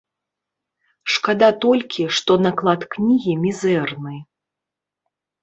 Шкада толькі, што наклад кнігі мізэрны.